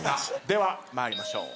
では参りましょう。